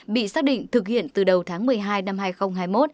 bị xác định thực hiện từ đầu tháng một mươi hai năm hai nghìn hai mươi một